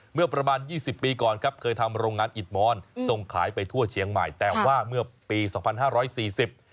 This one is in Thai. เมื่อประมาณยี่สิบปีก่อนครับเคยทำโรงงานอิดมอนส่งขายไปทั่วเชียงใหม่แต่ว่าเมื่อปีสองพันห้าร้อยสี่สิบ